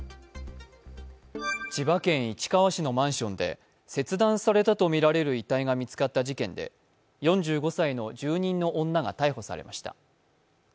千葉県市川市のマンションで切断されたとみられる遺体が見つかった事件で４５歳の住人の女が逮捕されました。